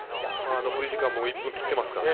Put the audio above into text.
残り時間も１分を切ってますからね。